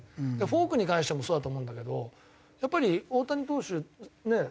フォークに関してもそうだと思うんだけどやっぱり大谷投手ねえ？